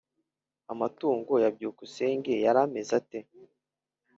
amatungo ya byukusenge yari ameze ate?